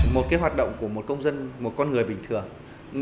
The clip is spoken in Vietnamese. một cái hoạt động của một công dân một con người bình thường